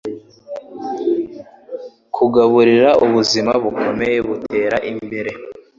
Kugaburira ubuzima bukomeye butera imbere